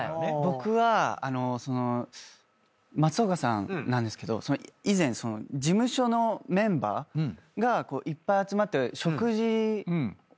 僕はあのその松岡さんなんですけど以前事務所のメンバーがいっぱい集まって食事させて。